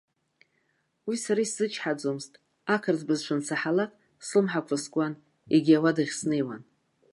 Уи сара исзычҳаӡомызт, ақырҭ бызшәа ансаҳалак, слымҳақәа скуан, егьи ауадахь снеиуан.